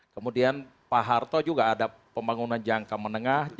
kemudian pak harto juga ada pembangunan jangka menengah